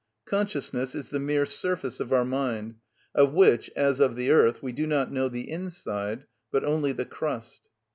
Consciousness is the mere surface of our mind, of which, as of the earth, we do not know the inside, but only the crust.